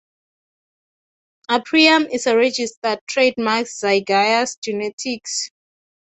"Aprium" is a registered trademark of Zaiger's Genetics.